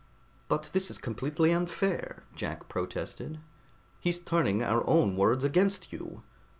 "But this is completely unfair," Jack protested. "He's turning our own words against you!